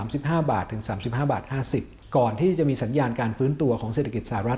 ๓๕๓๕๕๐จากที่จะมีสัญญาการฟื้นตัวของเศรษฐกิจสหรัฐ